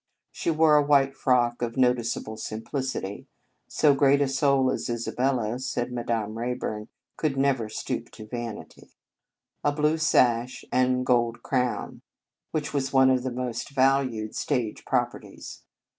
She wore a white frock of no ticeable simplicity (" so great a soul as Isabella," said Madame Rayburn, u could never stoop to vanity"), a blue sash, and a gold crown, which 63 In Our Convent Days was one of our most valued stage pro perties.